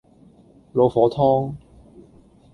老火湯